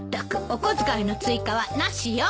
お小遣いの追加はなしよ。